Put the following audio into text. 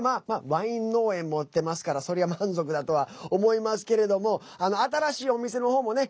ワイン農園、持ってますからそりゃ、満足だとは思いますけれども新しいお店の方もね